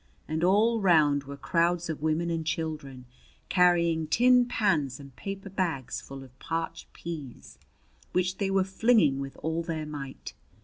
And all round were crowds of women and children, carrying tin pans and paper bags full of parched peas, which they were flinging with all their might.